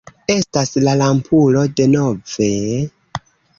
Estas la lampulo denove...